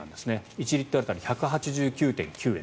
１リットル当たり１８９．９円。